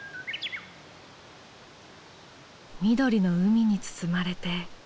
緑の海に包まれて。